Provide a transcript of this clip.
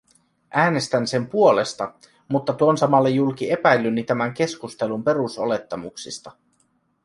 Äänestän sen puolesta, mutta tuon samalla julki epäilyni tämän keskustelun perusolettamuksista.